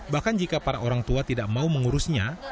bahkan jika para orang tua tidak mau mengurusnya